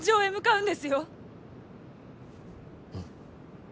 うん。